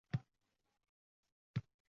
— Ey, hali eshitmadingmi? — debdi Tulki